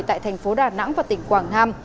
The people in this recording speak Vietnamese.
tại thành phố đà nẵng và tỉnh quảng nam